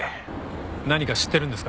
何か知ってるんですか？